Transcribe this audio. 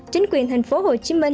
chính quyền tp hcm